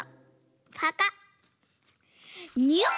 パカッニュッ。